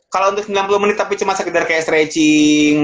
kalau untuk sembilan puluh menit tapi cuma sekedar kayak stretching